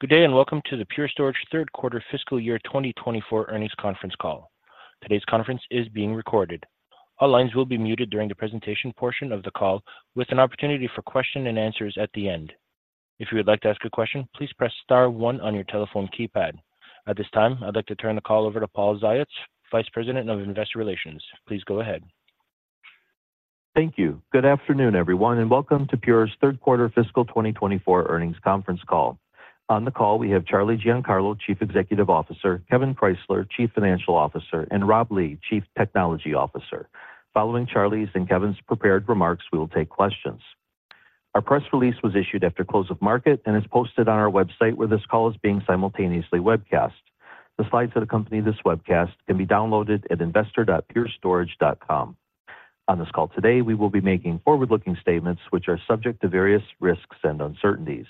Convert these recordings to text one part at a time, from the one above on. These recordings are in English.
Good day, and welcome to the Pure Storage third quarter fiscal year 2024 earnings conference call. Today's conference is being recorded. All lines will be muted during the presentation portion of the call, with an opportunity for question and answers at the end. If you would like to ask a question, please press star one on your telephone keypad. At this time, I'd like to turn the call over to Paul Ziots, Vice President of Investor Relations. Please go ahead. Thank you. Good afternoon, everyone, and welcome to Pure's third quarter fiscal 2024 earnings conference call. On the call, we have Charlie Giancarlo, Chief Executive Officer, Kevan Krysler, Chief Financial Officer, and Rob Lee, Chief Technology Officer. Following Charlie's and Kevan's prepared remarks, we will take questions. Our press release was issued after close of market and is posted on our website, where this call is being simultaneously webcast. The slides that accompany this webcast can be downloaded at investor.purestorage.com. On this call today, we will be making forward-looking statements which are subject to various risks and uncertainties.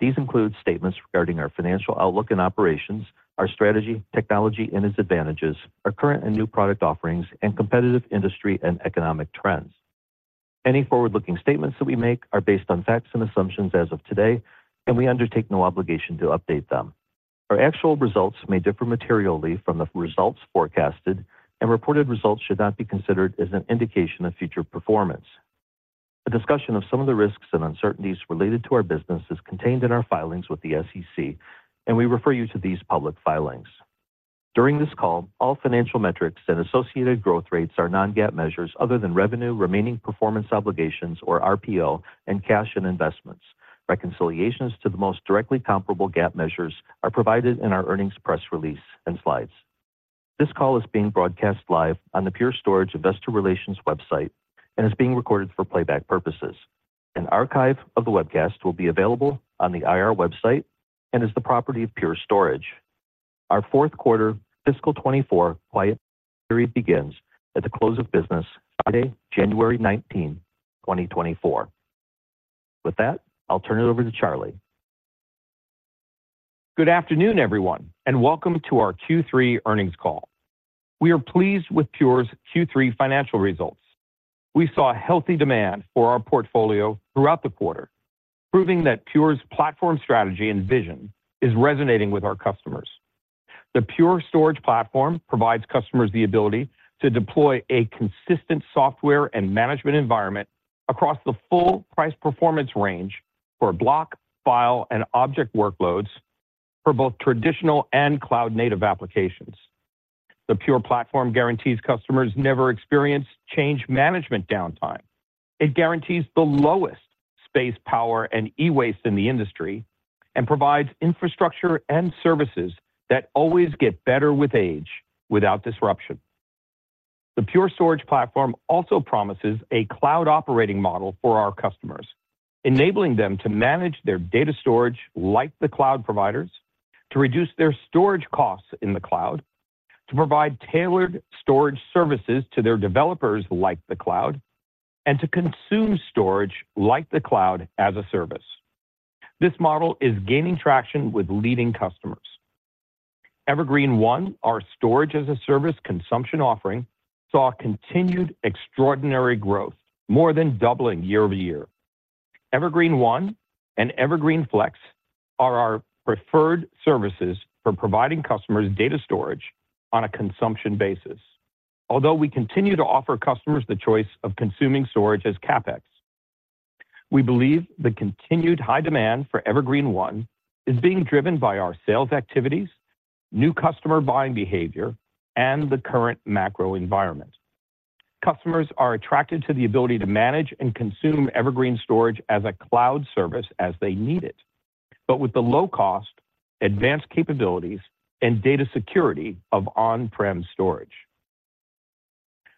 These include statements regarding our financial outlook and operations, our strategy, technology, and its advantages, our current and new product offerings, and competitive industry and economic trends. Any forward-looking statements that we make are based on facts and assumptions as of today, and we undertake no obligation to update them. Our actual results may differ materially from the results forecasted, and reported results should not be considered as an indication of future performance. A discussion of some of the risks and uncertainties related to our business is contained in our filings with the SEC, and we refer you to these public filings. During this call, all financial metrics and associated growth rates are non-GAAP measures other than revenue, remaining performance obligations, or RPO, and cash and investments. Reconciliations to the most directly comparable GAAP measures are provided in our earnings press release and slides. This call is being broadcast live on the Pure Storage Investor Relations website and is being recorded for playback purposes. An archive of the webcast will be available on the IR website and is the property of Pure Storage. Our fourth quarter fiscal 2024 quiet period begins at the close of business Friday, January 19, 2024. With that, I'll turn it over to Charlie. Good afternoon, everyone, and welcome to our Q3 earnings call. We are pleased with Pure's Q3 financial results. We saw a healthy demand for our portfolio throughout the quarter, proving that Pure's platform strategy and vision is resonating with our customers. The Pure Storage platform provides customers the ability to deploy a consistent software and management environment across the full price-performance range for block, file, and object workloads for both traditional and cloud-native applications. The Pure platform guarantees customers never experience change management downtime. It guarantees the lowest space, power, and e-waste in the industry and provides infrastructure and services that always get better with age without disruption. The Pure Storage platform also promises a cloud operating model for our customers, enabling them to manage their data storage like the cloud providers, to reduce their storage costs in the cloud, to provide tailored storage services to their developers like the cloud, and to consume storage like the cloud as a service. This model is gaining traction with leading customers. Evergreen//One, our storage-as-a-service consumption offering, saw continued extraordinary growth, more than doubling year-over-year. Evergreen//One and Evergreen//Flex are our preferred services for providing customers data storage on a consumption basis. Although we continue to offer customers the choice of consuming storage as CapEx, we believe the continued high demand for Evergreen//One is being driven by our sales activities, new customer buying behavior, and the current macro environment. Customers are attracted to the ability to manage and consume Evergreen storage as a cloud service as they need it, but with the low cost, advanced capabilities, and data security of on-prem storage.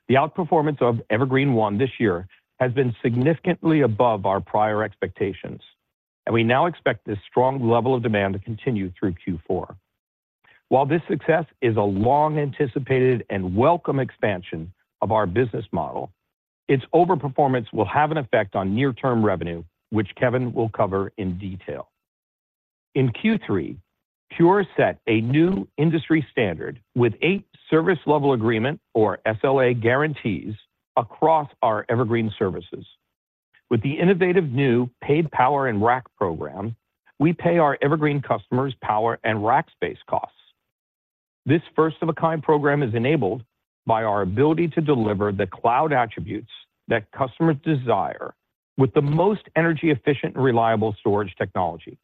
The outperformance of Evergreen//One this year has been significantly above our prior expectations, and we now expect this strong level of demand to continue through Q4. While this success is a long-anticipated and welcome expansion of our business model, its overperformance will have an effect on near-term revenue, which Kevan will cover in detail. In Q3, Pure set a new industry standard with eight service level agreement, or SLA, guarantees across our Evergreen services. With the innovative new Paid Power and Rack program, we pay our Evergreen customers power and rack space costs. This first-of-its-kind program is enabled by our ability to deliver the cloud attributes that customers desire with the most energy-efficient and reliable storage technology.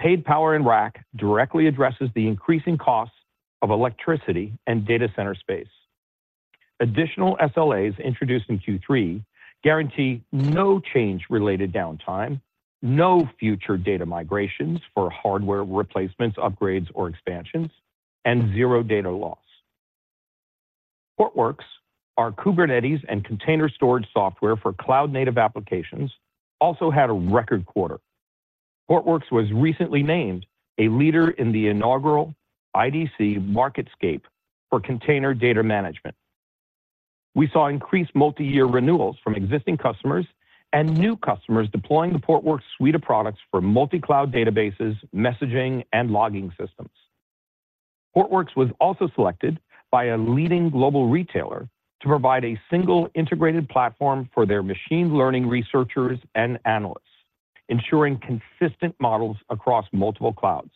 Paid Power and Rack directly addresses the increasing costs of electricity and data center space. Additional SLAs introduced in Q3 guarantee no change-related downtime, no future data migrations for hardware replacements, upgrades, or expansions, and zero data loss. Portworx, our Kubernetes and container storage software for cloud-native applications, also had a record quarter. Portworx was recently named a leader in the inaugural IDC MarketScape for Container Data Management. We saw increased multi-year renewals from existing customers and new customers deploying the Portworx suite of products for multi-cloud databases, messaging, and logging systems. Portworx was also selected by a leading global retailer to provide a single integrated platform for their machine learning researchers and analysts, ensuring consistent models across multiple clouds.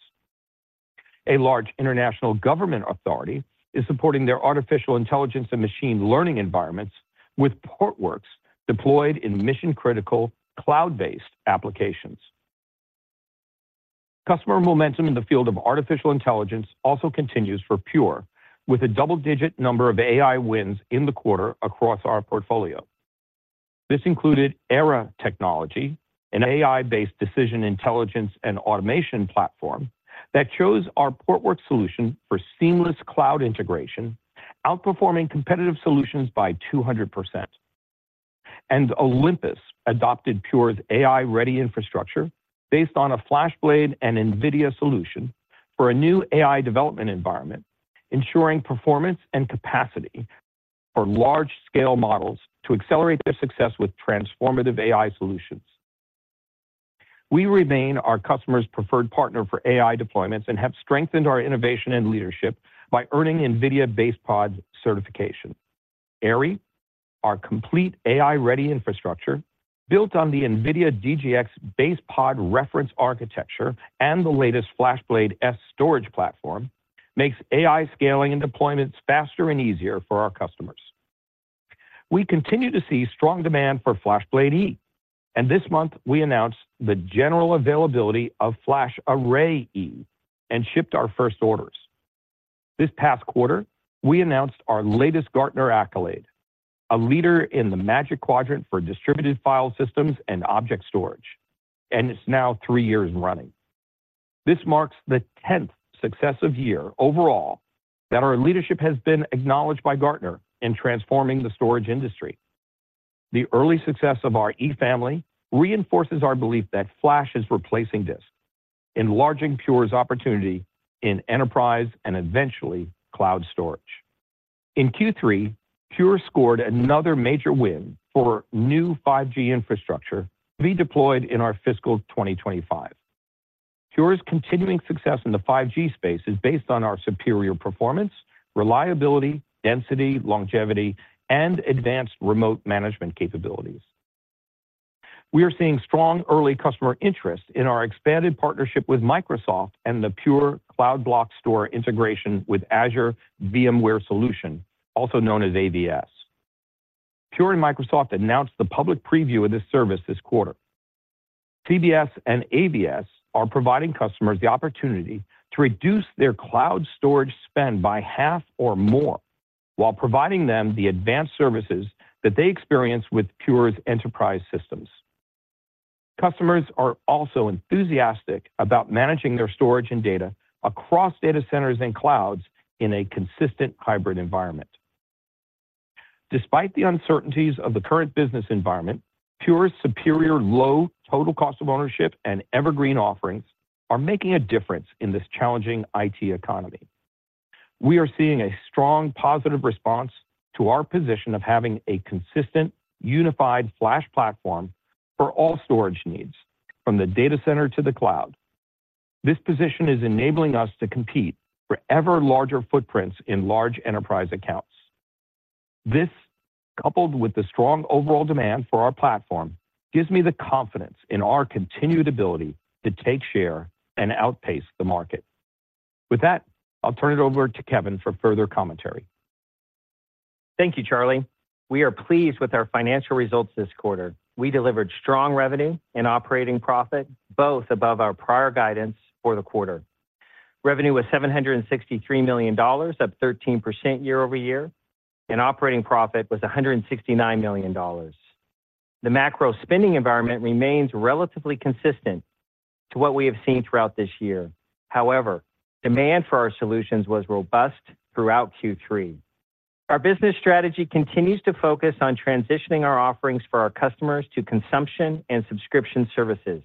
A large international government authority is supporting their artificial intelligence and machine learning environments with Portworx deployed in mission-critical, cloud-based applications. Customer momentum in the field of artificial intelligence also continues for Pure, with a double-digit number of AI wins in the quarter across our portfolio. This included Aera Technology, an AI-based decision intelligence and automation platform that chose our Portworx solution for seamless cloud integration, outperforming competitive solutions by 200%. Olympus adopted Pure's AI-ready infrastructure based on a FlashBlade and NVIDIA solution for a new AI development environment, ensuring performance and capacity for large-scale models to accelerate their success with transformative AI solutions. We remain our customers' preferred partner for AI deployments and have strengthened our innovation and leadership by earning NVIDIA BasePod certification. AIRI, our complete AI-ready infrastructure, built on the NVIDIA DGX BasePod reference architecture and the latest FlashBlade//S storage platform, makes AI scaling and deployments faster and easier for our customers. We continue to see strong demand for FlashBlade//E, and this month we announced the general availability of FlashArray//E and shipped our first orders. This past quarter, we announced our latest Gartner accolade, a leader in the Magic Quadrant for Distributed File Systems and Object Storage, and it's now three years running. This marks the 10th successive year overall that our leadership has been acknowledged by Gartner in transforming the storage industry. The early success of our E family reinforces our belief that flash is replacing disk, enlarging Pure's opportunity in enterprise and eventually cloud storage. In Q3, Pure scored another major win for new 5G infrastructure to be deployed in our fiscal 2025. Pure's continuing success in the 5G space is based on our superior performance, reliability, density, longevity, and advanced remote management capabilities. We are seeing strong early customer interest in our expanded partnership with Microsoft and the Pure Cloud Block Store integration with Azure VMware Solution, also known as AVS. Pure and Microsoft announced the public preview of this service this quarter. CBS and AVS are providing customers the opportunity to reduce their cloud storage spend by half or more while providing them the advanced services that they experience with Pure's enterprise systems. Customers are also enthusiastic about managing their storage and data across data centers and clouds in a consistent hybrid environment. Despite the uncertainties of the current business environment, Pure's superior low total cost of ownership and Evergreen offerings are making a difference in this challenging IT economy. We are seeing a strong positive response to our position of having a consistent, unified flash platform for all storage needs, from the data center to the cloud. This position is enabling us to compete for ever larger footprints in large enterprise accounts. This, coupled with the strong overall demand for our platform, gives me the confidence in our continued ability to take share and outpace the market. With that, I'll turn it over to Kevan for further commentary. Thank you, Charlie. We are pleased with our financial results this quarter. We delivered strong revenue and operating profit, both above our prior guidance for the quarter. Revenue was $763 million, up 13% year-over-year, and operating profit was $169 million. The macro spending environment remains relatively consistent to what we have seen throughout this year. However, demand for our solutions was robust throughout Q3. Our business strategy continues to focus on transitioning our offerings for our customers to consumption and subscription services.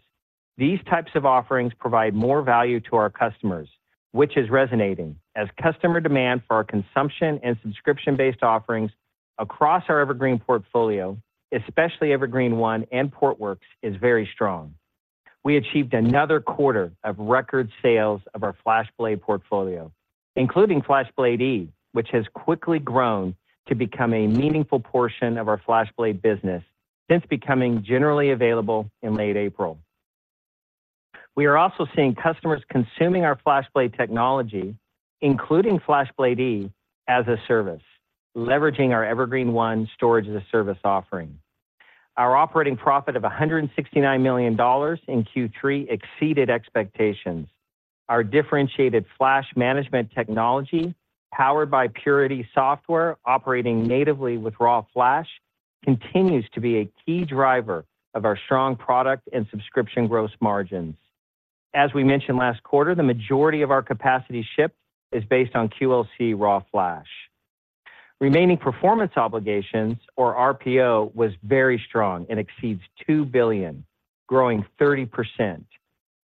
These types of offerings provide more value to our customers, which is resonating as customer demand for our consumption and subscription-based offerings across our Evergreen portfolio, especially Evergreen//One and Portworx, is very strong. We achieved another quarter of record sales of our FlashBlade portfolio, including FlashBlade//E, which has quickly grown to become a meaningful portion of our FlashBlade business since becoming generally available in late April. We are also seeing customers consuming our FlashBlade technology, including FlashBlade//E, as a service, leveraging our Evergreen//One storage as a service offering. Our operating profit of $169 million in Q3 exceeded expectations. Our differentiated flash management technology, powered by Purity Software, operating natively with RAW Flash, continues to be a key driver of our strong product and subscription gross margins. As we mentioned last quarter, the majority of our capacity shipped is based on QLC RAW Flash. Remaining performance obligations, or RPO, was very strong and exceeds $2 billion, growing 30%.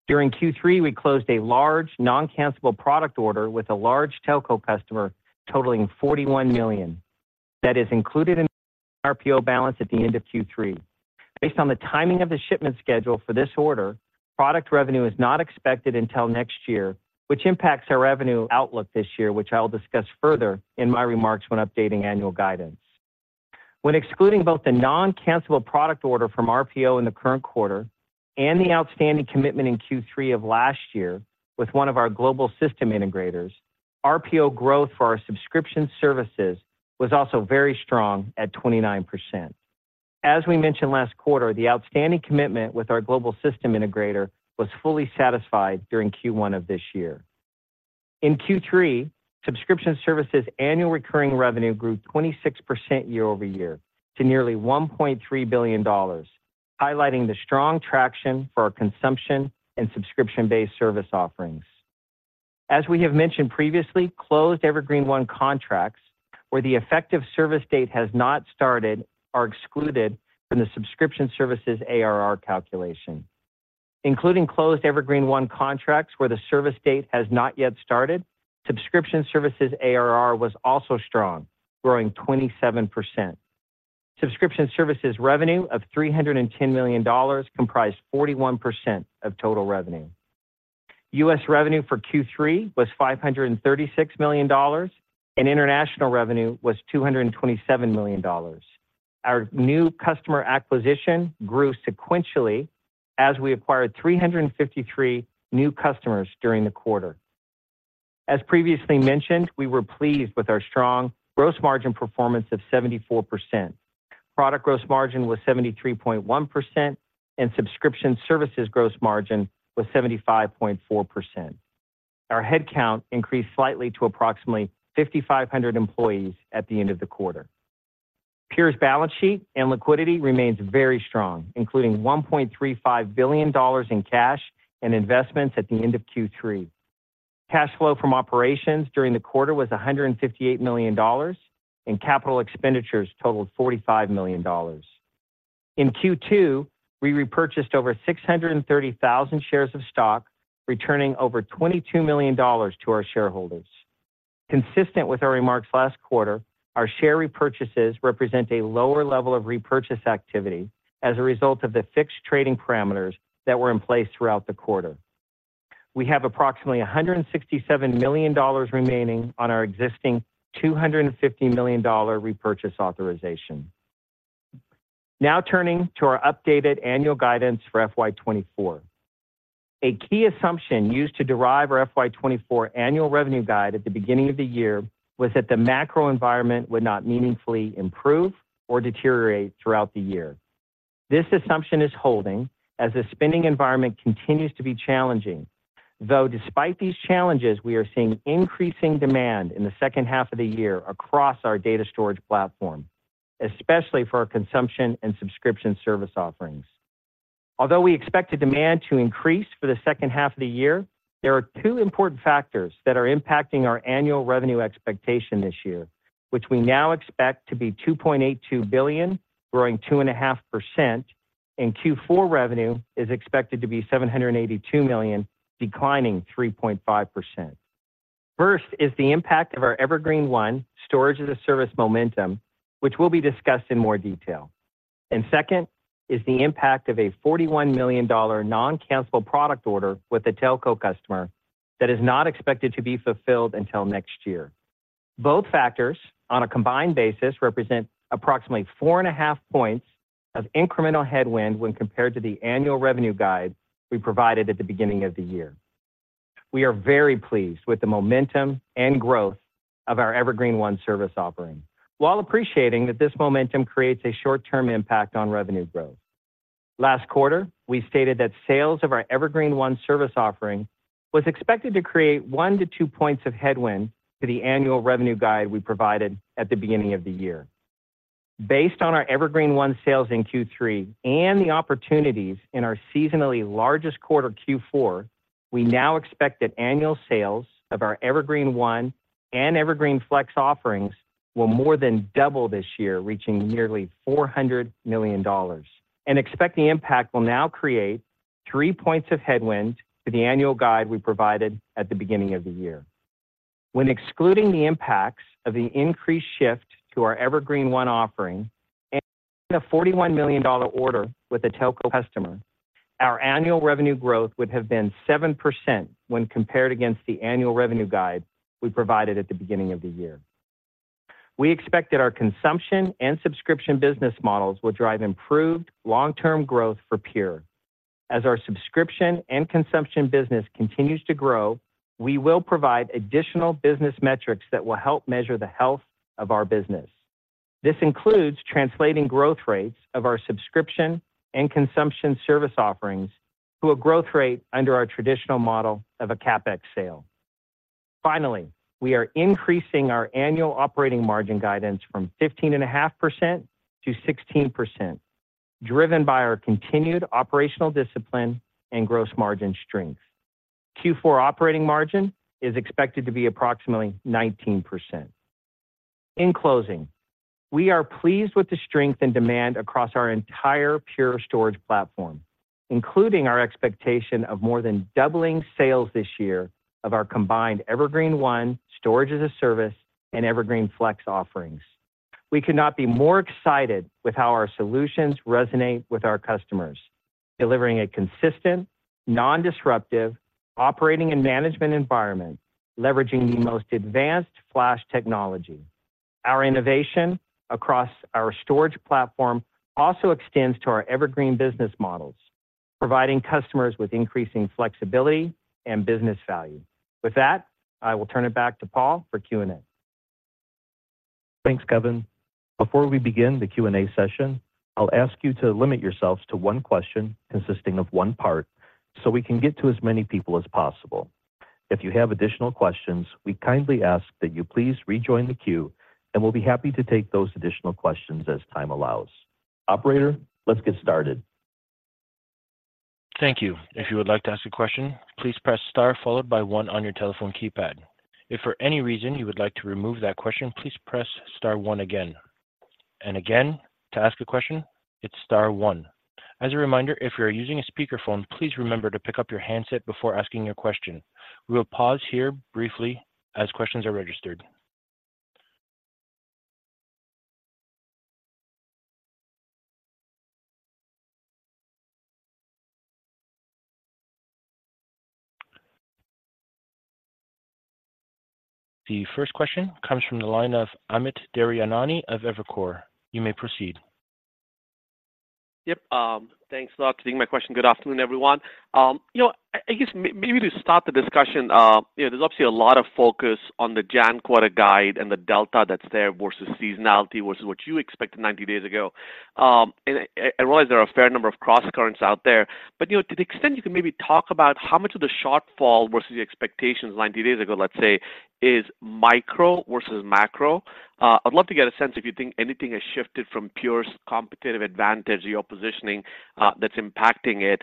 During Q3, we closed a large, noncancelable product order with a large telco customer totaling $41 million. That is included in RPO balance at the end of Q3. Based on the timing of the shipment schedule for this order, product revenue is not expected until next year, which impacts our revenue outlook this year, which I will discuss further in my remarks when updating annual guidance. When excluding both the non-cancelable product order from RPO in the current quarter and the outstanding commitment in Q3 of last year with one of our global system integrators, RPO growth for our subscription services was also very strong at 29%. As we mentioned last quarter, the outstanding commitment with our global system integrator was fully satisfied during Q1 of this year. In Q3, subscription services annual recurring revenue grew 26% year-over-year to nearly $1.3 billion, highlighting the strong traction for our consumption and subscription-based service offerings. As we have mentioned previously, closed Evergreen//One contracts where the effective service date has not started, are excluded from the subscription services ARR calculation. Including closed Evergreen//One contracts where the service date has not yet started, subscription services ARR was also strong, growing 27%. Subscription services revenue of $310 million comprised 41% of total revenue. U.S. revenue for Q3 was $536 million, and international revenue was $227 million. Our new customer acquisition grew sequentially as we acquired 353 new customers during the quarter. As previously mentioned, we were pleased with our strong gross margin performance of 74%. Product gross margin was 73.1%, and subscription services gross margin was 75.4%. Our headcount increased slightly to approximately 5,500 employees at the end of the quarter. Pure's balance sheet and liquidity remains very strong, including $1.35 billion in cash and investments at the end of Q3. Cash flow from operations during the quarter was $158 million, and capital expenditures totaled $45 million. In Q2, we repurchased over 630,000 shares of stock, returning over $22 million to our shareholders. Consistent with our remarks last quarter, our share repurchases represent a lower level of repurchase activity as a result of the fixed trading parameters that were in place throughout the quarter. We have approximately $167 million remaining on our existing $250 million repurchase authorization. Now turning to our updated annual guidance for FY 2024. A key assumption used to derive our FY 2024 annual revenue guide at the beginning of the year was that the macro environment would not meaningfully improve or deteriorate throughout the year. This assumption is holding as the spending environment continues to be challenging, though, despite these challenges, we are seeing increasing demand in the second half of the year across our data storage platform, especially for our consumption and subscription service offerings. Although we expected demand to increase for the second half of the year, there are two important factors that are impacting our annual revenue expectation this year, which we now expect to be $2.82 billion, growing 2.5%, and Q4 revenue is expected to be $782 million, declining 3.5%. First is the impact of our Evergreen//One storage as a service momentum, which will be discussed in more detail. And second is the impact of a $41 million non-cancelable product order with the telco customer that is not expected to be fulfilled until next year. Both factors, on a combined basis, represent approximately 4.5 points of incremental headwind when compared to the annual revenue guide we provided at the beginning of the year. We are very pleased with the momentum and growth of our Evergreen//One service offering, while appreciating that this momentum creates a short-term impact on revenue growth. Last quarter, we stated that sales of our Evergreen//One service offering was expected to create 1-2 points of headwind to the annual revenue guide we provided at the beginning of the year. Based on our Evergreen//One sales in Q3 and the opportunities in our seasonally largest quarter, Q4, we now expect that annual sales of our Evergreen//One and Evergreen//Flex offerings will more than double this year, reaching nearly $400 million, and expect the impact will now create 3 points of headwind for the annual guide we provided at the beginning of the year. When excluding the impacts of the increased shift to our Evergreen//One offering and the $41 million order with the telco customer, our annual revenue growth would have been 7% when compared against the annual revenue guide we provided at the beginning of the year. We expect that our consumption and subscription business models will drive improved long-term growth for Pure. As our subscription and consumption business continues to grow, we will provide additional business metrics that will help measure the health of our business. This includes translating growth rates of our subscription and consumption service offerings to a growth rate under our traditional model of a CapEx sale. Finally, we are increasing our annual operating margin guidance from 15.5% to 16%, driven by our continued operational discipline and gross margin strength. Q4 operating margin is expected to be approximately 19%. In closing, we are pleased with the strength and demand across our entire Pure Storage platform, including our expectation of more than doubling sales this year of our combined Evergreen//One, Storage-as-a-Service, and Evergreen//Flex offerings. We could not be more excited with how our solutions resonate with our customers, delivering a consistent, non-disruptive operating and management environment, leveraging the most advanced flash technology. Our innovation across our storage platform also extends to our Evergreen business models, providing customers with increasing flexibility and business value. With that, I will turn it back to Paul for Q&A. Thanks, Kevan. Before we begin the Q&A session, I'll ask you to limit yourselves to one question consisting of one part, so we can get to as many people as possible. If you have additional questions, we kindly ask that you please rejoin the queue, and we'll be happy to take those additional questions as time allows. Operator, let's get started. Thank you. If you would like to ask a question, please press star followed by one on your telephone keypad. If for any reason you would like to remove that question, please press star one again. Again, to ask a question, it's star one. As a reminder, if you are using a speakerphone, please remember to pick up your handset before asking your question. We will pause here briefly as questions are registered. The first question comes from the line of Amit Daryanani of Evercore. You may proceed. Yep, thanks a lot for taking my question. Good afternoon, everyone. You know, I guess maybe to start the discussion, you know, there's obviously a lot of focus on the Jan quarter guide and the delta that's there versus seasonality versus what you expected 90 days ago. And I realize there are a fair number of crosscurrents out there, but you know, to the extent you can maybe talk about how much of the shortfall versus the expectations 90 days ago, let's say, is micro versus macro. I'd love to get a sense if you think anything has shifted from Pure's competitive advantage or your positioning, that's impacting it.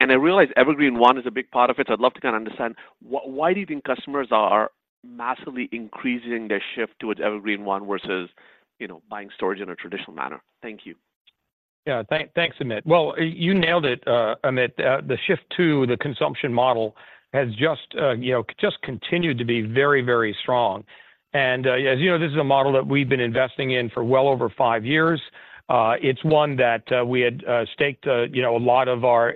And I realize Evergreen//One is a big part of it. I'd love to kind of understand why do you think customers are massively increasing their shift towards Evergreen//One versus, you know, buying storage in a traditional manner? Thank you. Yeah, thanks, Amit. Well, you nailed it, Amit. The shift to the consumption model has just, you know, just continued to be very, very strong. And, as you know, this is a model that we've been investing in for well over five years. It's one that we had staked, you know, a lot of our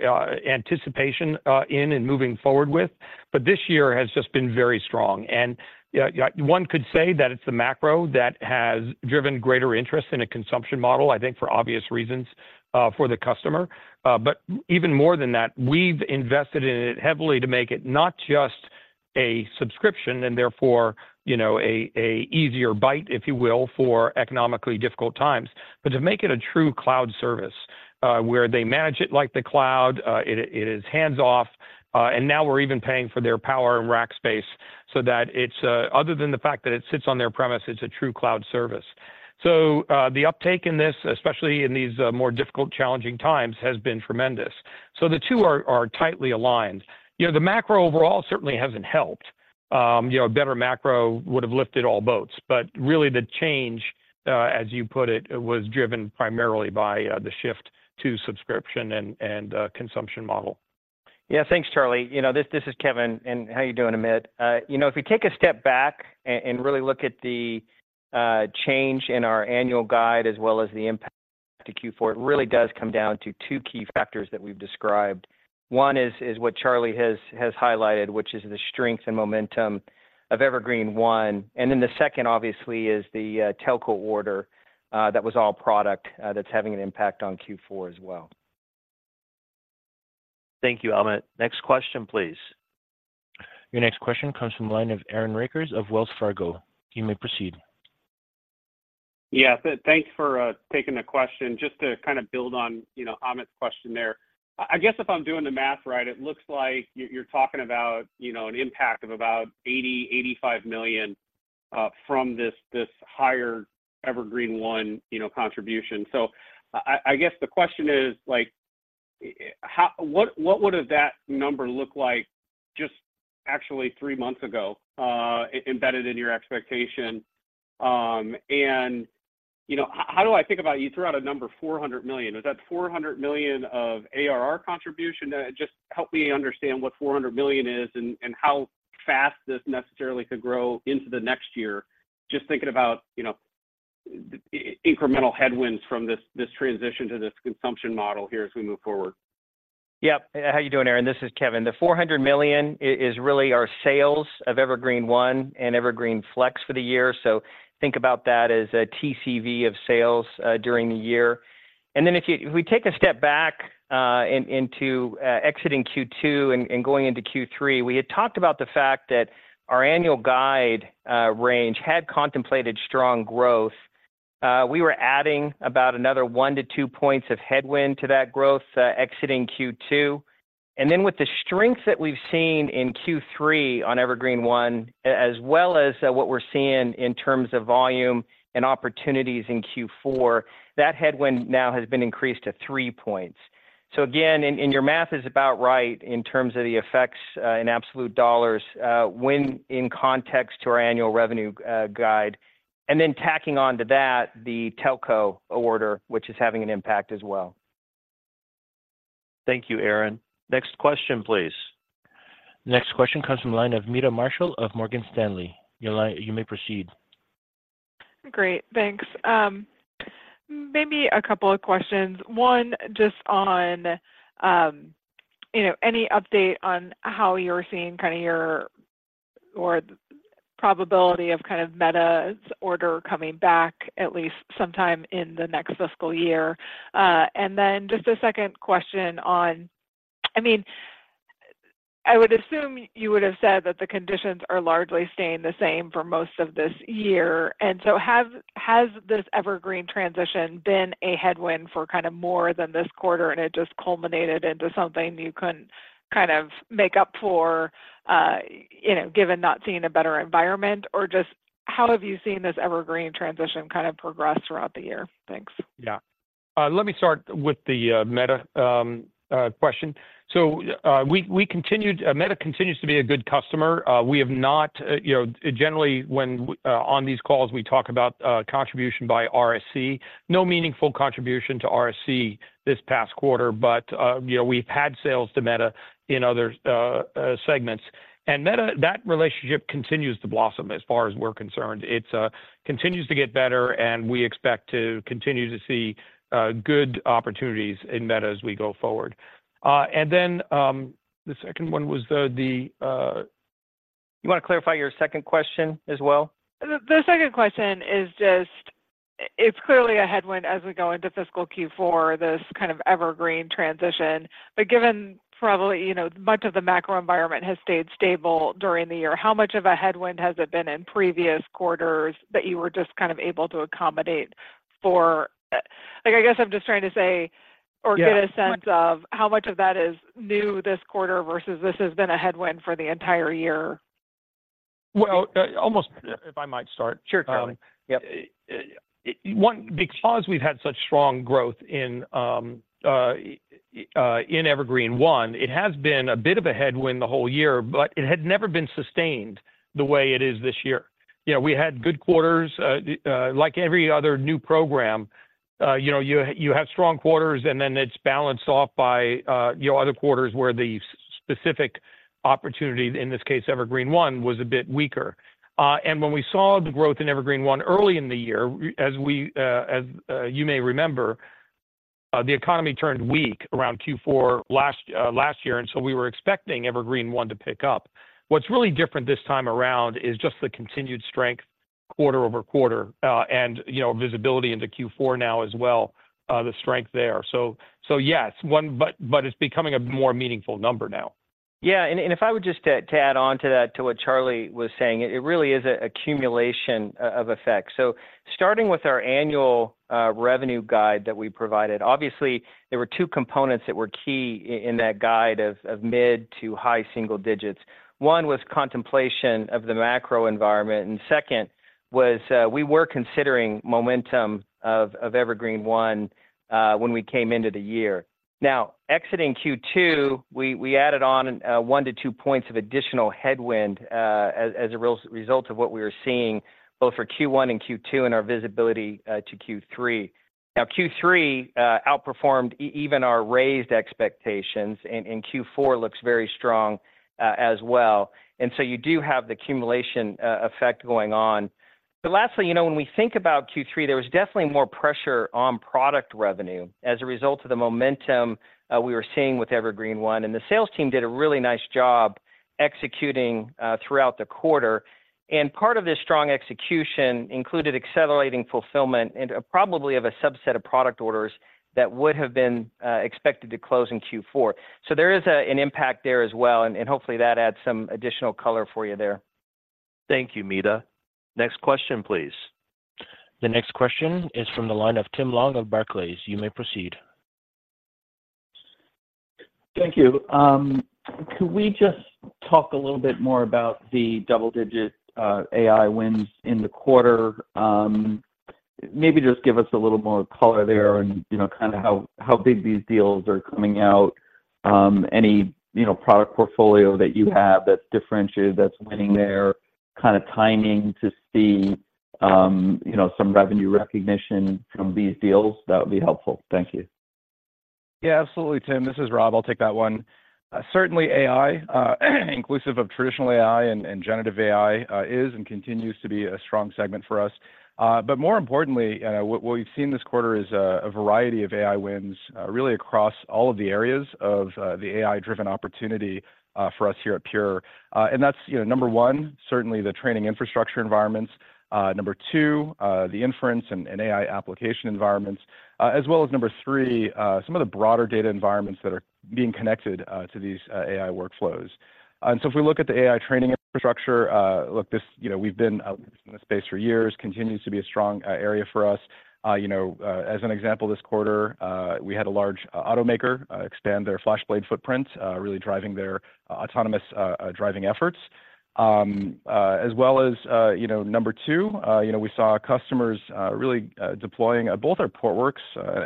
anticipation in and moving forward with, but this year has just been very strong. And, yeah, one could say that it's the macro that has driven greater interest in a consumption model, I think, for obvious reasons, for the customer. But even more than that, we've invested in it heavily to make it not just a subscription, and therefore, you know, a easier bite, if you will, for economically difficult times, but to make it a true cloud service, where they manage it like the cloud, it is hands-off, and now we're even paying for their power and rack space so that it's other than the fact that it sits on their premise, it's a true cloud service. So, the uptake in this, especially in these more difficult, challenging times, has been tremendous. So the two are tightly aligned. You know, the macro overall certainly hasn't helped. You know, a better macro would have lifted all boats, but really the change, as you put it, it was driven primarily by the shift to subscription and consumption model. Yeah. Thanks, Charlie. You know, this is Kevan, and how you doing, Amit? You know, if we take a step back and really look at the change in our annual guide as well as the impact to Q4, it really does come down to two key factors that we've described. One is what Charlie has highlighted, which is the strength and momentum of Evergreen//One, and then the second, obviously, is the telco order that was all product that's having an impact on Q4 as well. Thank you, Amit. Next question, please. Your next question comes from the line of Aaron Rakers of Wells Fargo. You may proceed. Yeah, thanks for taking the question. Just to kind of build on, you know, Amit's question there. I guess if I'm doing the math right, it looks like you, you're talking about, you know, an impact of about $80 million-$85 million from this higher Evergreen//One contribution. So I guess the question is, like, what would that number have looked like just actually three months ago embedded in your expectation? And, you know, how do I think about... You threw out a number, $400 million. Is that $400 million of ARR contribution? Just help me understand what $400 million is and how fast this necessarily could grow into the next year. Just thinking about, you know, incremental headwinds from this transition to this consumption model here as we move forward. Yep. How are you doing, Aaron? This is Kevan. The $400 million is really our sales of Evergreen//One and Evergreen//Flex for the year, so think about that as a TCV of sales during the year. Then if we take a step back and into exiting Q2 and going into Q3, we had talked about the fact that our annual guide range had contemplated strong growth. We were adding about another 1-2 points of headwind to that growth exiting Q2. Then with the strength that we've seen in Q3 on Evergreen//One, as well as what we're seeing in terms of volume and opportunities in Q4, that headwind now has been increased to 3 points. So again, and, and your math is about right in terms of the effects, in absolute dollars, when in context to our annual revenue guide, and then tacking on to that, the telco order, which is having an impact as well. Thank you, Aaron. Next question, please. Next question comes from the line of Meta Marshall of Morgan Stanley. Your line - you may proceed. Great, thanks. Maybe a couple of questions. One, just on, you know, any update on how you're seeing kind of your- or probability of kind of Meta's order coming back at least sometime in the next fiscal year? And then just a second question on- I mean, I would assume you would have said that the conditions are largely staying the same for most of this year. And so have, has this Evergreen transition been a headwind for kind of more than this quarter, and it just culminated into something you couldn't kind of make up for, you know, given not seeing a better environment? Or just how have you seen this Evergreen transition kind of progress throughout the year? Thanks. Yeah. Let me start with the Meta question. So, Meta continues to be a good customer. We have not, you know, generally, when on these calls, we talk about contribution by RSC. No meaningful contribution to RSC this past quarter, but, you know, we've had sales to Meta in other segments. And Meta, that relationship continues to blossom as far as we're concerned. It continues to get better, and we expect to continue to see good opportunities in Meta as we go forward. And then, the second one was the You want to clarify your second question as well? The second question is just, it's clearly a headwind as we go into fiscal Q4, this kind of Evergreen transition. But given probably, you know, much of the macro environment has stayed stable during the year, how much of a headwind has it been in previous quarters that you were just kind of able to accommodate for—like, I guess I'm just trying to say- Yeah... or get a sense of how much of that is new this quarter versus this has been a headwind for the entire year. Well, almost, if I might start. Sure, Charlie. Yep. One, because we've had such strong growth in Evergreen//One, it has been a bit of a headwind the whole year, but it had never been sustained the way it is this year. You know, we had good quarters, like every other new program, you know, you have strong quarters, and then it's balanced off by, you know, other quarters where the specific opportunity, in this case, Evergreen//One, was a bit weaker. And when we saw the growth in Evergreen//One early in the year, as we, you may remember, the economy turned weak around Q4 last year, and so we were expecting Evergreen//One to pick up. What's really different this time around is just the continued strength quarter-over-quarter, and, you know, visibility into Q4 now as well, the strength there. So yes, one, but it's becoming a more meaningful number now. Yeah, and if I would just to add on to that, to what Charlie was saying, it really is a accumulation of effects. So starting with our annual revenue guide that we provided, obviously, there were two components that were key in that guide of mid- to high-single-digits. One was contemplation of the macro environment, and second was we were considering momentum of Evergreen//One when we came into the year. Now, exiting Q2, we added on one to two points of additional headwind as a result of what we were seeing, both for Q1 and Q2, and our visibility to Q3. Now, Q3 outperformed even our raised expectations, and Q4 looks very strong as well. And so you do have the accumulation effect going on. But lastly, you know, when we think about Q3, there was definitely more pressure on product revenue as a result of the momentum we were seeing with Evergreen//One, and the sales team did a really nice job executing throughout the quarter. And part of this strong execution included accelerating fulfillment and probably of a subset of product orders that would have been expected to close in Q4. So there is an impact there as well, and hopefully, that adds some additional color for you there. Thank you, Meta. Next question, please. The next question is from the line of Tim Long of Barclays. You may proceed. Thank you. Could we just talk a little bit more about the double-digit AI wins in the quarter? Maybe just give us a little more color there and, you know, kind of how, how big these deals are coming out, any, you know, product portfolio that you have that's differentiated, that's winning there, kind of timing to see, you know, some revenue recognition from these deals, that would be helpful. Thank you. Yeah, absolutely, Tim. This is Rob. I'll take that one. Certainly AI, inclusive of traditional AI and generative AI, is and continues to be a strong segment for us. But more importantly, what we've seen this quarter is a variety of AI wins, really across all of the areas of the AI-driven opportunity for us here at Pure. And that's, you know, number one, certainly the training infrastructure environments, number two, the inference and AI application environments, as well as number three, some of the broader data environments that are being connected to these AI workflows. And so if we look at the AI training infrastructure, look, this, you know, we've been out in the space for years, continues to be a strong area for us. You know, as an example, this quarter, we had a large automaker expand their FlashBlade footprint, really driving their autonomous driving efforts. As well as, you know, number two, you know, we saw customers really deploying both our Portworx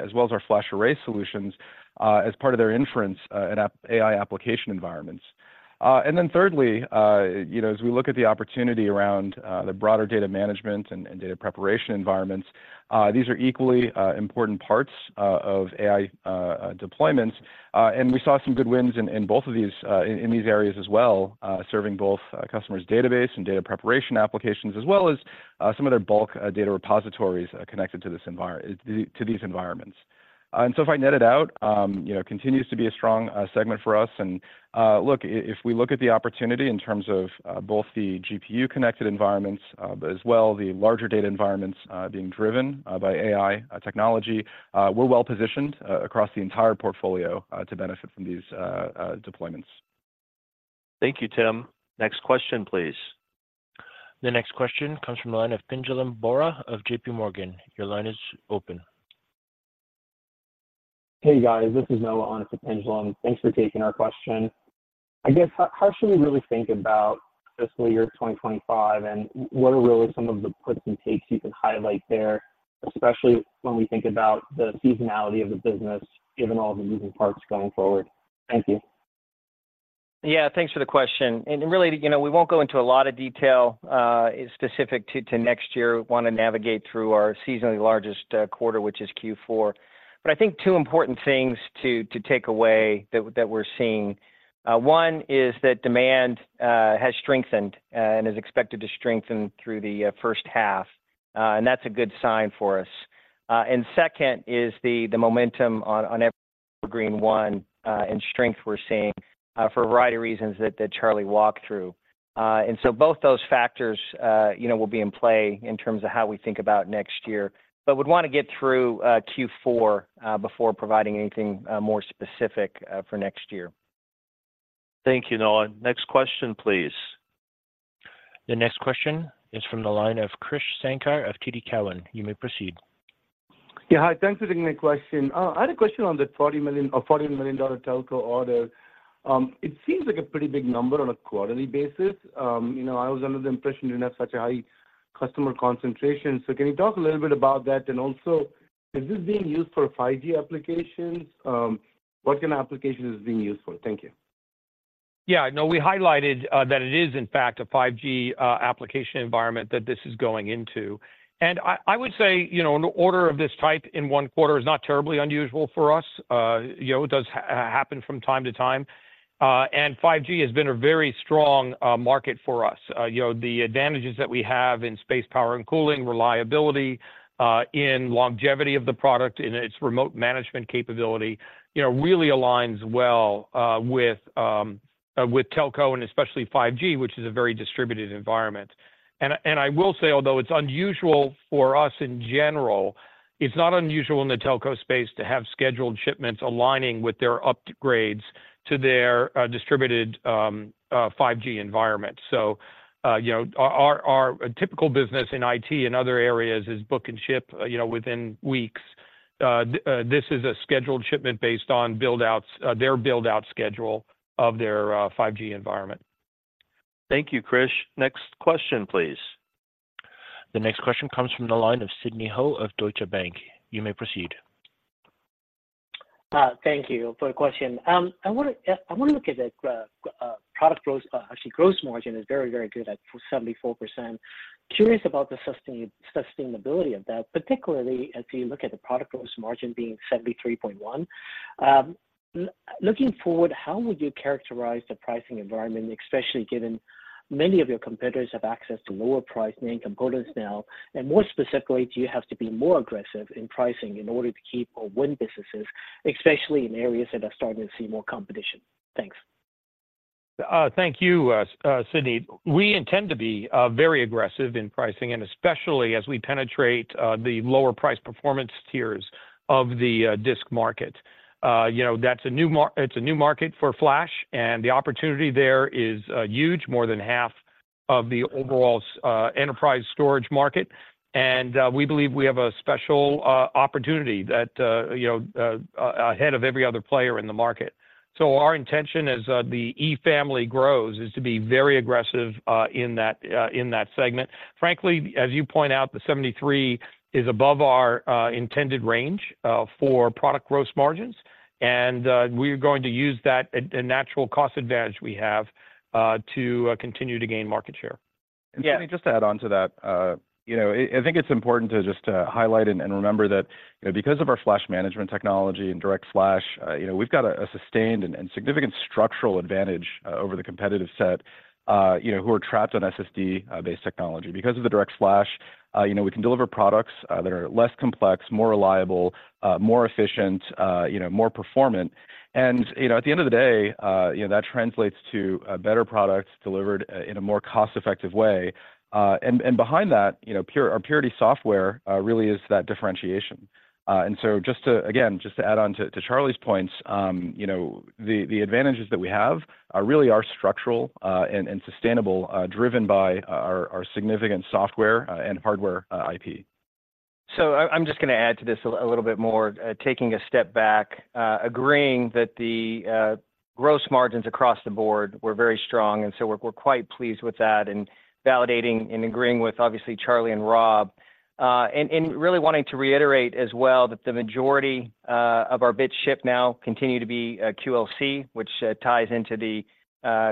as well as our FlashArray solutions as part of their inference and app-AI application environments. ... And then thirdly, you know, as we look at the opportunity around the broader data management and data preparation environments, these are equally important parts of AI deployments. And we saw some good wins in both of these in these areas as well, serving both customers' database and data preparation applications, as well as some of their bulk data repositories, connected to this environment- to these environments. And so if I net it out, you know, continues to be a strong segment for us. Look, if we look at the opportunity in terms of both the GPU connected environments, but as well, the larger data environments being driven by AI technology, we're well positioned across the entire portfolio to benefit from these deployments. Thank you, Tim. Next question, please. The next question comes from the line of Pinjalim Bora of JPMorgan. Your line is open. Hey, guys, this is Noah on with Pinjalim. Thanks for taking our question. I guess, how, how should we really think about fiscal year 2025, and what are really some of the puts and takes you can highlight there, especially when we think about the seasonality of the business, given all the moving parts going forward? Thank you. Yeah, thanks for the question. And really, you know, we won't go into a lot of detail specific to next year. Want to navigate through our seasonally largest quarter, which is Q4. But I think two important things to take away that we're seeing, one is that demand has strengthened and is expected to strengthen through the first half, and that's a good sign for us. And second is the momentum on Evergreen//One and strength we're seeing for a variety of reasons that Charlie walked through. And so both those factors, you know, will be in play in terms of how we think about next year, but would want to get through Q4 before providing anything more specific for next year. Thank you, Noah. Next question, please. The next question is from the line of Krish Sankar of TD Cowen. You may proceed. Yeah, hi, thanks for taking my question. I had a question on the $40 million or $14 million telco order. It seems like a pretty big number on a quarterly basis. You know, I was under the impression you didn't have such a high customer concentration. So can you talk a little bit about that? And also, is this being used for 5G applications? What kind of application is it being used for? Thank you. Yeah, no, we highlighted that it is, in fact, a 5G application environment that this is going into. And I would say, you know, an order of this type in one quarter is not terribly unusual for us. You know, it does happen from time to time, and 5G has been a very strong market for us. You know, the advantages that we have in space, power and cooling, reliability, in longevity of the product, in its remote management capability, you know, really aligns well with telco and especially 5G, which is a very distributed environment. And I will say, although it's unusual for us in general, it's not unusual in the telco space to have scheduled shipments aligning with their upgrades to their distributed 5G environment. So, you know, our typical business in IT and other areas is book and ship, you know, within weeks. This is a scheduled shipment based on buildouts, their buildout schedule of their 5G environment. Thank you, Krish. Next question, please. The next question comes from the line of Sidney Ho of Deutsche Bank. You may proceed. Thank you for the question. I want to look at the product growth. Actually, gross margin is very, very good at 74%. Curious about the sustainability of that, particularly as you look at the product growth margin being 73.1%. Looking forward, how would you characterize the pricing environment, especially given many of your competitors have access to lower priced main components now? And more specifically, do you have to be more aggressive in pricing in order to keep or win businesses, especially in areas that are starting to see more competition? Thanks. Thank you, Sidney. We intend to be very aggressive in pricing, and especially as we penetrate the lower price performance tiers of the disk market. You know, that's a new market for Flash, and the opportunity there is huge, more than half of the overall enterprise storage market. And we believe we have a special opportunity that you know ahead of every other player in the market. So our intention as the E family grows is to be very aggressive in that segment. Frankly, as you point out, the 73% is above our intended range for product gross margins, and we're going to use that, a natural cost advantage we have to continue to gain market share. And Sidney, just to add on to that, you know, I think it's important to just highlight and remember that, you know, because of our flash management technology and direct flash, you know, we've got a sustained and significant structural advantage over the competitive set, you know, who are trapped on SSD based technology. Because of the direct flash, you know, we can deliver products that are less complex, more reliable, more efficient, you know, more performant. And, you know, at the end of the day, you know, that translates to better products delivered in a more cost-effective way. And behind that, you know, Pure, our Purity software, really is that differentiation. And so just to, again, just to add on to Charlie's points, you know, the advantages that we have really are structural and sustainable, driven by our significant software and hardware IP.... So I'm just gonna add to this a little bit more, taking a step back, agreeing that the gross margins across the board were very strong, and so we're quite pleased with that, and validating and agreeing with, obviously, Charlie and Rob. And really wanting to reiterate as well, that the majority of our bits shipped now continue to be QLC, which ties into the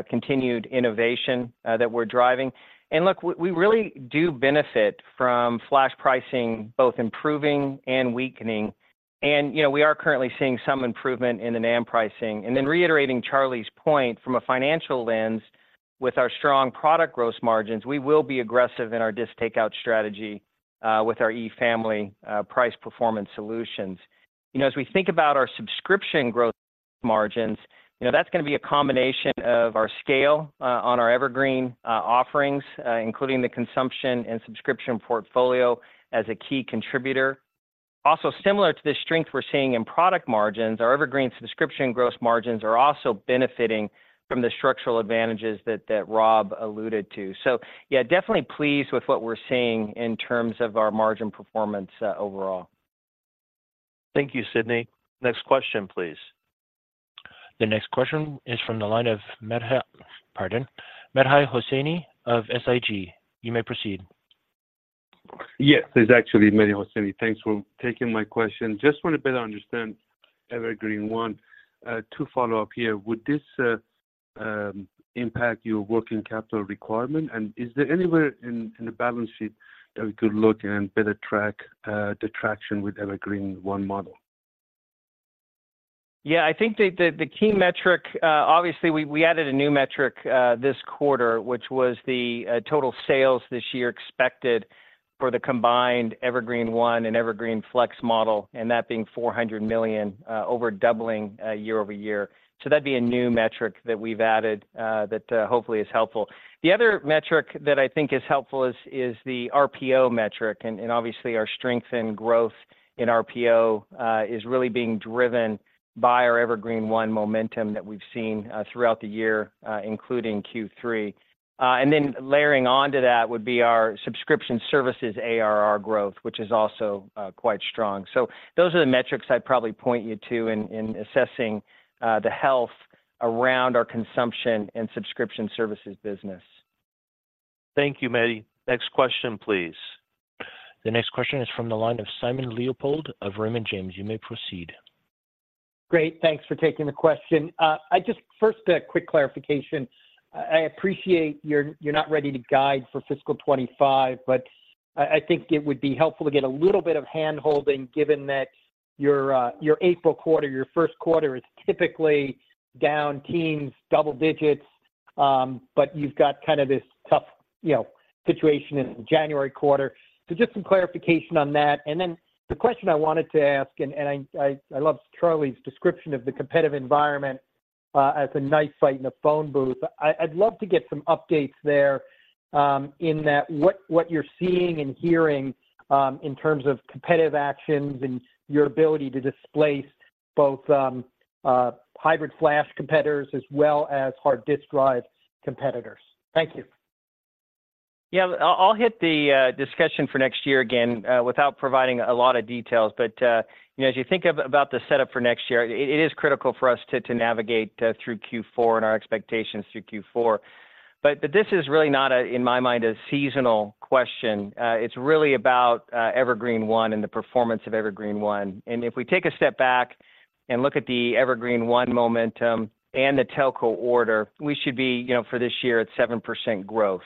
continued innovation that we're driving. And look, we really do benefit from flash pricing, both improving and weakening. And, you know, we are currently seeing some improvement in the NAND pricing. And then reiterating Charlie's point, from a financial lens, with our strong product gross margins, we will be aggressive in our disk takeout strategy with our E Family price performance solutions. You know, as we think about our subscription growth margins, you know, that's gonna be a combination of our scale on our Evergreen offerings, including the consumption and subscription portfolio as a key contributor. Also, similar to the strength we're seeing in product margins, our Evergreen subscription gross margins are also benefiting from the structural advantages that Rob alluded to. So yeah, definitely pleased with what we're seeing in terms of our margin performance overall. Thank you, Sidney. Next question, please. The next question is from the line of Mehdi—pardon, Mehdi Hosseini of SIG. You may proceed. Yes, it's actually Mehdi Hosseini. Thanks for taking my question. Just want to better understand Evergreen//One. To follow up here, would this impact your working capital requirement? And is there anywhere in the balance sheet that we could look and better track the traction with Evergreen//One model? Yeah, I think the key metric, obviously, we added a new metric this quarter, which was the total sales this year expected for the combined Evergreen//One and Evergreen//Flex model, and that being $400 million, over doubling year-over-year. So that'd be a new metric that we've added that hopefully is helpful. The other metric that I think is helpful is the RPO metric, and obviously, our strength and growth in RPO is really being driven by our Evergreen//One momentum that we've seen throughout the year, including Q3. And then layering on to that would be our subscription services ARR growth, which is also quite strong. So those are the metrics I'd probably point you to in assessing the health around our consumption and subscription services business. Thank you, Mehdi. Next question, please. The next question is from the line of Simon Leopold of Raymond James. You may proceed. Great, thanks for taking the question. First, a quick clarification. I appreciate you're not ready to guide for fiscal 2025, but I think it would be helpful to get a little bit of handholding, given that your April quarter, your first quarter, is typically down teens, double digits, but you've got kind of this tough, you know, situation in the January quarter. So just some clarification on that. And then the question I wanted to ask, and I loved Charlie's description of the competitive environment as a knife fight in a phone booth. I'd love to get some updates there, in that what you're seeing and hearing in terms of competitive actions and your ability to displace both hybrid flash competitors as well as hard disk drive competitors. Thank you. Yeah, I'll hit the discussion for next year again, without providing a lot of details. But, you know, as you think about the setup for next year, it is critical for us to navigate through Q4 and our expectations through Q4. But this is really not a, in my mind, a seasonal question. It's really about Evergreen//One and the performance of Evergreen//One. And if we take a step back and look at the Evergreen//One momentum and the telco order, we should be, you know, for this year, at 7% growth.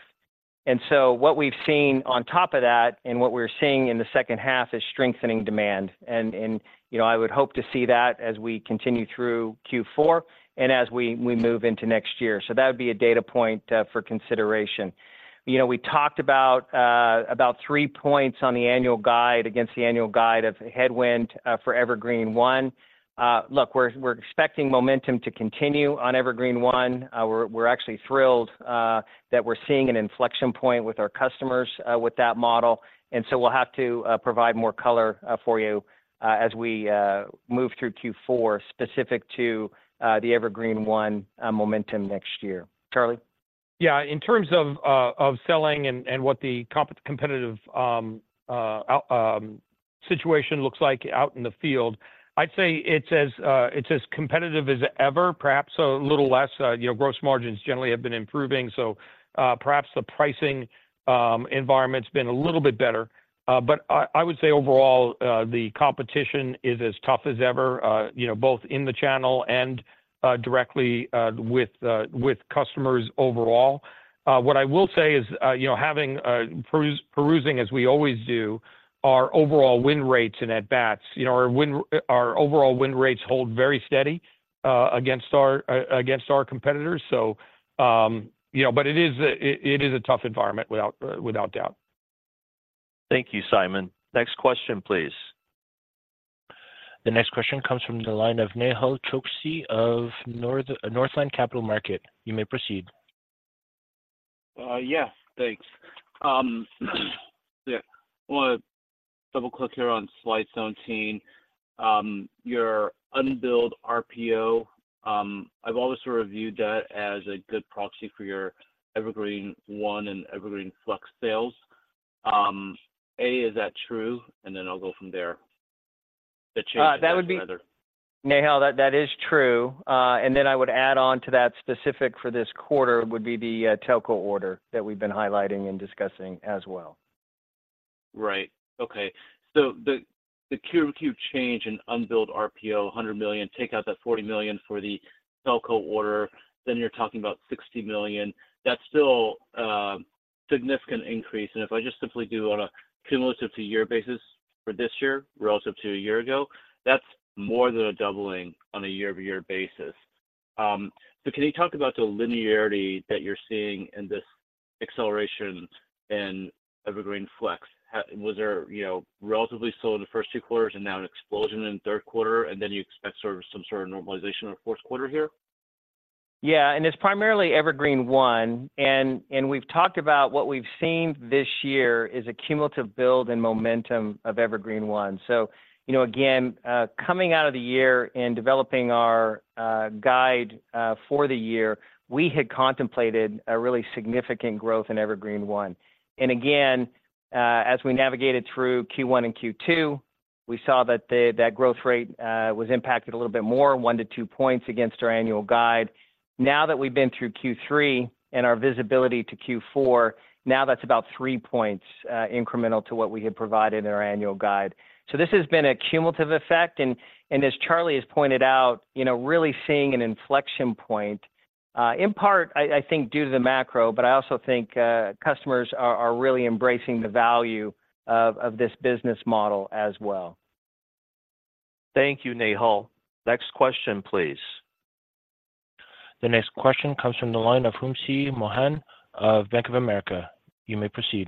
And so what we've seen on top of that, and what we're seeing in the second half, is strengthening demand. And, you know, I would hope to see that as we continue through Q4 and as we move into next year. So that would be a data point for consideration. You know, we talked about about three points on the annual guide against the annual guide of headwind for Evergreen//One. Look, we're expecting momentum to continue on Evergreen//One. We're actually thrilled that we're seeing an inflection point with our customers with that model, and so we'll have to provide more color for you as we move through Q4, specific to the Evergreen//One momentum next year. Charlie? Yeah, in terms of selling and what the competitive situation looks like out in the field, I'd say it's as competitive as ever, perhaps a little less. You know, gross margins generally have been improving, so perhaps the pricing environment's been a little bit better. But I would say overall the competition is as tough as ever, you know, both in the channel and directly with customers overall. What I will say is, you know, having perusing, as we always do, our overall win rates and at bats, you know, our overall win rates hold very steady against our competitors. So, you know, but it is a tough environment, without doubt. Thank you, Simon. Next question, please. The next question comes from the line of Nehal Chokshi of Northland Capital Markets. You may proceed. Yeah, thanks. Yeah, I want to double-click here on slide 17. Your unbilled RPO, I've always sort of viewed that as a good proxy for your Evergreen//One and Evergreen//Flex sales. A, is that true? And then I'll go from there. The change- Nehal, that is true. And then I would add on to that specific for this quarter, would be the telco order that we've been highlighting and discussing as well. Right. Okay. So the Q2 change in unbilled RPO, $100 million, take out that $40 million for the telco order, then you're talking about $60 million. That's still a significant increase, and if I just simply do on a cumulative to year basis for this year relative to a year ago, that's more than a doubling on a year-over-year basis. So can you talk about the linearity that you're seeing in this acceleration in Evergreen//Flex? Has there, you know, relatively slow in the first two quarters and now an explosion in the third quarter, and then you expect sort of, some sort of normalization in the fourth quarter here? Yeah, and it's primarily Evergreen//One, and we've talked about what we've seen this year is a cumulative build and momentum of Evergreen//One. So, you know, again, coming out of the year and developing our guide for the year, we had contemplated a really significant growth in Evergreen//One. And again, as we navigated through Q1 and Q2, we saw that that growth rate was impacted a little bit more, 1-2 points against our annual guide. Now, that we've been through Q3 and our visibility to Q4, now that's about 3 points incremental to what we had provided in our annual guide. So this has been a cumulative effect, and as Charlie has pointed out, you know, really seeing an inflection point, in part, I think, due to the macro, but I also think, customers are really embracing the value of this business model as well. Thank you, Nehal. Next question, please. The next question comes from the line of Wamsi Mohan of Bank of America. You may proceed.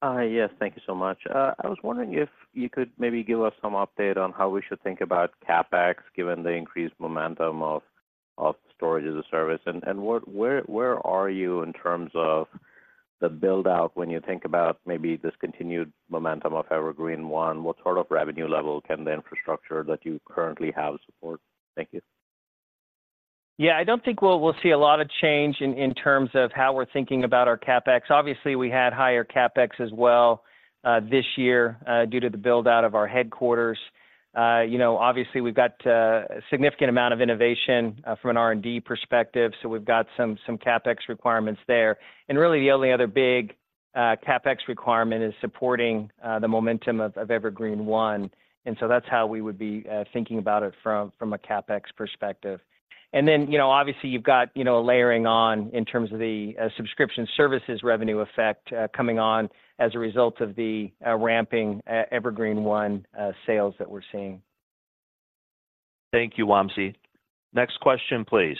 Hi, yes, thank you so much. I was wondering if you could maybe give us some update on how we should think about CapEx, given the increased momentum of storage as a service. And where are you in terms of the build-out when you think about maybe this continued momentum of Evergreen//One? What sort of revenue level can the infrastructure that you currently have support? Thank you. Yeah, I don't think we'll see a lot of change in terms of how we're thinking about our CapEx. Obviously, we had higher CapEx as well this year due to the build-out of our headquarters. You know, obviously, we've got a significant amount of innovation from an R&D perspective, so we've got some CapEx requirements there. And really, the only other big CapEx requirement is supporting the momentum of Evergreen//One. And so that's how we would be thinking about it from a CapEx perspective. And then, you know, obviously, you've got a layering on in terms of the subscription services revenue effect coming on as a result of the ramping Evergreen//One sales that we're seeing. Thank you, Wamsi. Next question, please.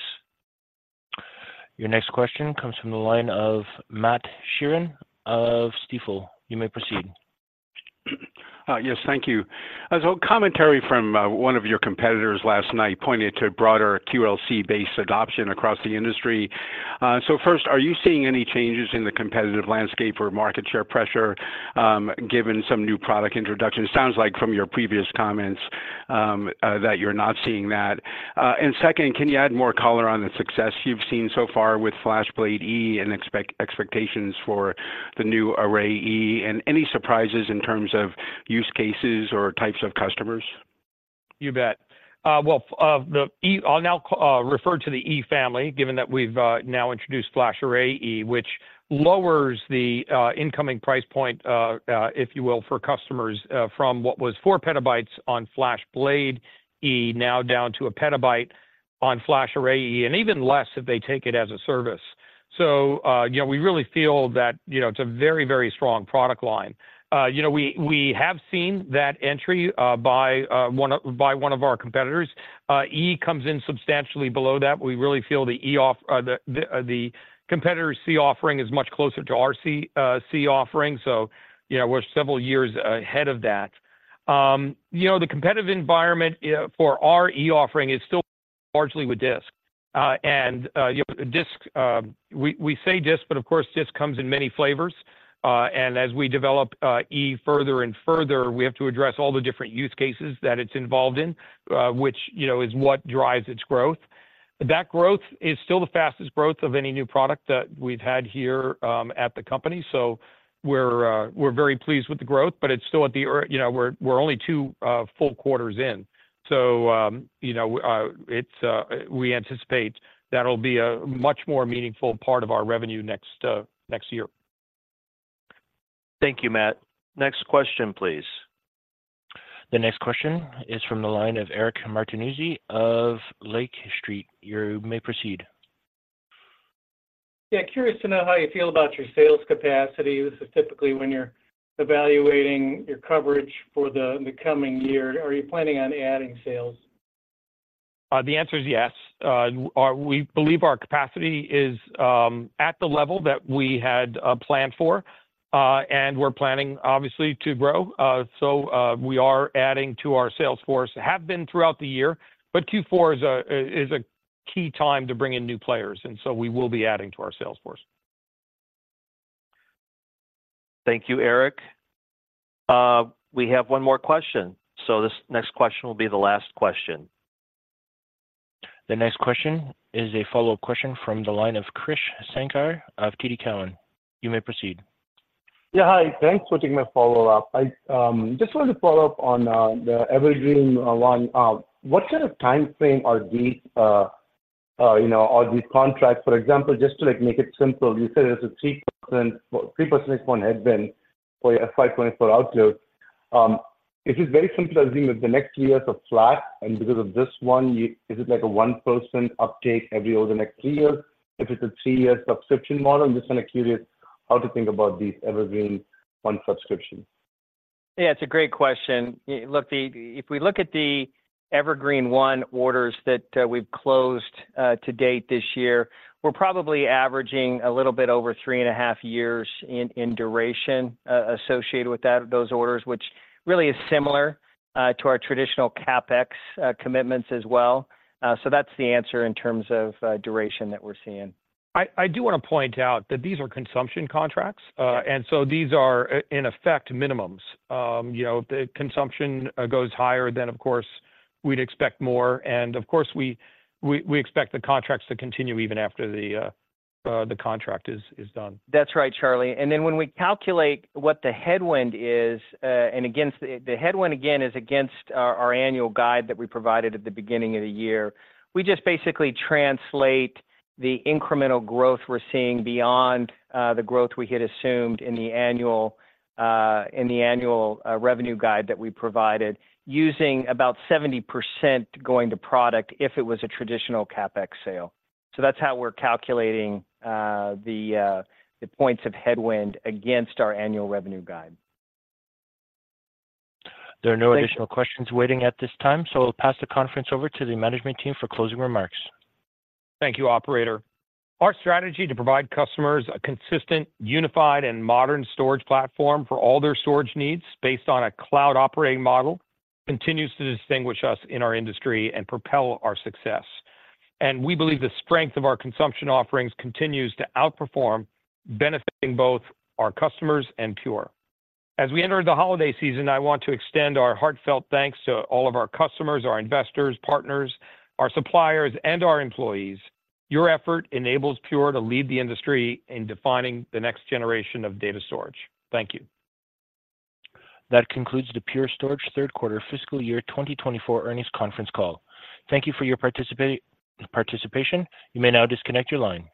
Your next question comes from the line of Matt Sheerin of Stifel. You may proceed. Yes, thank you. As a commentary from one of your competitors last night pointed to broader QLC-based adoption across the industry. So first, are you seeing any changes in the competitive landscape or market share pressure, given some new product introductions? Sounds like from your previous comments that you're not seeing that. And second, can you add more color on the success you've seen so far with FlashBlade//E and expectations for the new Array//E, and any surprises in terms of use cases or types of customers? You bet. I'll now refer to the E Family, given that we've now introduced FlashArray//E, which lowers the incoming price point, if you will, for customers, from what was 4 PB on FlashBlade//E, now down to 1 PB on FlashArray//E, and even less if they take it as a service. So, you know, we really feel that, you know, it's a very, very strong product line. You know, we have seen that entry by one of our competitors. E comes in substantially below that. We really feel the competitor's C offering is much closer to our C offering, so you know, we're several years ahead of that. You know, the competitive environment for our E offering is still largely with disk. You know, disk. We say disk, but of course, disk comes in many flavors. And as we develop E further and further, we have to address all the different use cases that it's involved in, which, you know, is what drives its growth. That growth is still the fastest growth of any new product that we've had here at the company. So we're very pleased with the growth, but it's still at the early— you know, we're only two full quarters in. So, you know, it's, we anticipate that'll be a much more meaningful part of our revenue next year. Thank you, Matt. Next question, please. The next question is from the line of Eric Martinuzzi of Lake Street. You may proceed. Yeah, curious to know how you feel about your sales capacity. This is typically when you're evaluating your coverage for the coming year. Are you planning on adding sales? The answer is yes. We believe our capacity is at the level that we had planned for, and we're planning, obviously, to grow. So, we are adding to our sales force, have been throughout the year, but Q4 is a key time to bring in new players, and so we will be adding to our sales force. Thank you, Eric. We have one more question, so this next question will be the last question. The next question is a follow-up question from the line of Krish Sankar of TD Cowen. You may proceed. Yeah, hi. Thanks for taking my follow-up. I just wanted to follow up on the Evergreen//One. What kind of timeframe are these, you know, are these contracts? For example, just to make it simple, you said it's a 3%, three percentage point headwind for your FY 2024 outlook. It is very simple, I think that the next two years are flat, and because of this one, you—is it like a one percent uptake every year over the next two years? If it's a two-year subscription model, I'm just kind of curious how to think about these Evergreen//One subscription. Yeah, it's a great question. Look, if we look at the Evergreen//One orders that we've closed to date this year, we're probably averaging a little bit over three and a half years in duration associated with those orders, which really is similar to our traditional CapEx commitments as well. So that's the answer in terms of duration that we're seeing. I do want to point out that these are consumption contracts. Yeah. And so these are in effect, minimums. You know, if the consumption goes higher, then, of course, we'd expect more. And of course, we expect the contracts to continue even after the contract is done. That's right, Charlie. And then when we calculate what the headwind is. And against the headwind, again, is against our annual guide that we provided at the beginning of the year. We just basically translate the incremental growth we're seeing beyond the growth we had assumed in the annual revenue guide that we provided, using about 70% going to product if it was a traditional CapEx sale. So that's how we're calculating the points of headwind against our annual revenue guide. There are no additional questions waiting at this time, so I'll pass the conference over to the management team for closing remarks. Thank you, Operator. Our strategy to provide customers a consistent, unified, and modern storage platform for all their storage needs, based on a cloud operating model, continues to distinguish us in our industry and propel our success. We believe the strength of our consumption offerings continues to outperform, benefiting both our customers and Pure. As we enter the holiday season, I want to extend our heartfelt thanks to all of our customers, our investors, partners, our suppliers, and our employees. Your effort enables Pure to lead the industry in defining the next generation of data storage. Thank you. That concludes the Pure Storage third quarter fiscal year 2024 earnings conference call. Thank you for your participation. You may now disconnect your line.